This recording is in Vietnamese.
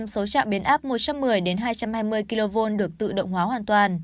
chín mươi bảy số trạm biến áp một trăm một mươi hai trăm hai mươi kv được tự động hóa hoàn toàn